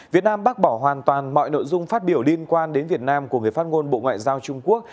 việt nam bác bỏ hoàn toàn mọi nội dung phát biểu liên quan đến việt nam của người phát ngôn bộ ngoại giao trung quốc